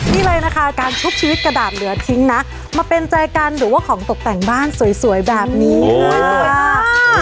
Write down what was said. นี่เลยนะคะการชุบชีวิตกระดาษเหลือทิ้งนะมาเป็นใจกันหรือว่าของตกแต่งบ้านสวยแบบนี้สวยมาก